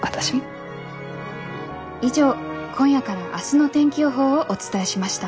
以上今夜から明日の天気予報をお伝えしました。